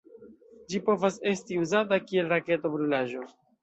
Ĝi povas esti uzata kiel raketo-brulaĵo.